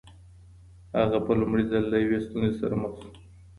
هغه په لومړي ځل له یوې ستونزې سره مخ سو.